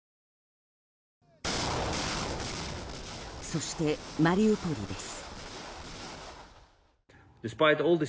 そして、マリウポリです。